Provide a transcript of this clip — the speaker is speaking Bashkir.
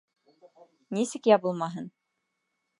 Нисек ябылмаһын!